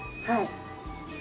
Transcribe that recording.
はい。